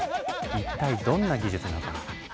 一体どんな技術なのか